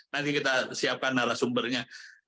nanti kita siapkan narasumbernya